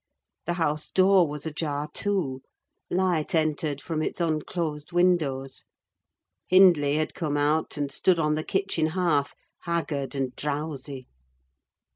The house door was ajar, too; light entered from its unclosed windows; Hindley had come out, and stood on the kitchen hearth, haggard and drowsy.